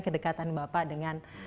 kedekatan bapak dengan